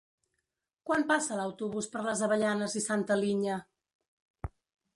Quan passa l'autobús per les Avellanes i Santa Linya?